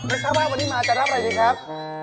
แล้วทราบว่าวันนี้มาจะรับอะไรดีครับ